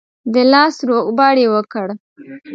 د لاس روغبړ یې وکړ.